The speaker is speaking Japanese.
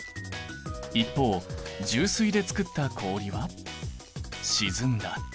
一方重水で作った氷は沈んだ。